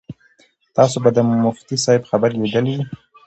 تاسو به د مفتي صاحب خبرې لیدلې وي.